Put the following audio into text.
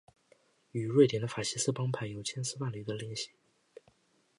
与瑞典的法西斯帮派有千丝万缕的联系。